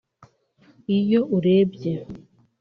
Iyo urebye